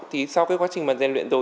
thì sau cái quá trình mà gian luyện rồi